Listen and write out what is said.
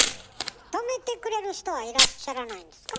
とめてくれる人はいらっしゃらないんですか？